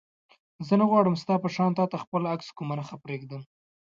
زه نه غواړم ستا په شان تا ته خپل عکس کومه نښه پرېږدم.